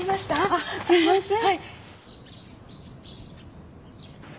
あっすいません。